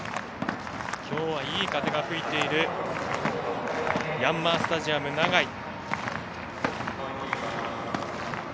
きょうは、いい風が吹いているヤンマースタジアム長居。